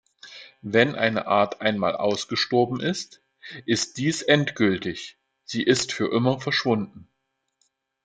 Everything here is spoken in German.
Wenn eine Art einmal ausgestorben ist, ist dies endgültig, sie ist für immer verschwunden.